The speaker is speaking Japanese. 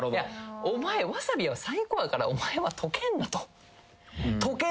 お前わさびは最高やからお前は溶けんなと。